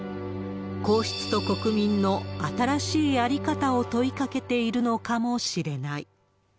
皇室と国民の新しい在り方を問いかけているのかもしれない。